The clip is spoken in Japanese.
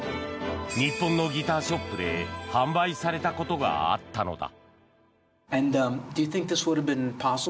日本のギターショップで販売されたことがあったのだ。